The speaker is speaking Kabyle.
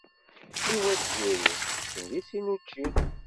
Yuba d Tiziri ḥebsen deg sin učči.